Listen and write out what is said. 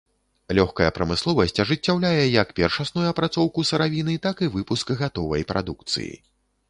Лёгкая прамысловасць ажыццяўляе як першасную апрацоўку сыравіны, так і выпуск гатовай прадукцыі.